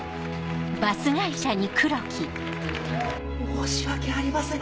・申し訳ありません